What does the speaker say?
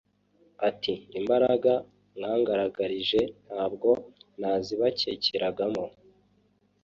ati “Imbaraga mwangaragarije ntabwo nazibakekeragamo